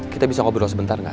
kita bisa ngobrol sebentar nggak